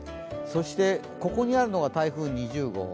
そして、ここにあるのが台風２０号。